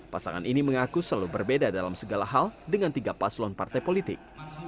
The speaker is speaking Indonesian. pasangan ini mengaku selalu berbeda dalam segala hal dengan tiga paslon partai politik